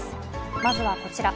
まずはこちら。